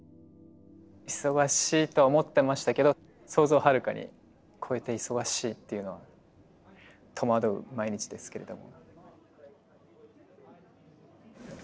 忙しいとは思ってましたけど想像をはるかに超えて忙しいっていうのは戸惑う毎日ですけれども。